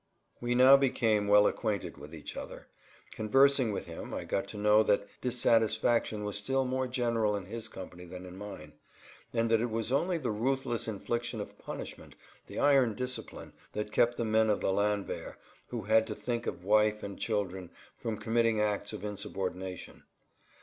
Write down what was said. We now became well acquainted with each other. Conversing with him I got to know that dissatisfaction was still more general in his company than in mine and that it was only the ruthless infliction of punishment, the iron discipline, that kept the men of the landwehr, who had to think of wife and children, from committing acts of insubordination.